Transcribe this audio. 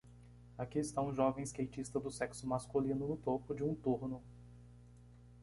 Aqui está um jovem skatista do sexo masculino no topo de um turno